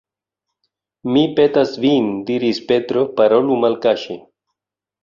Mi petas vin diris Petro, parolu malkaŝe.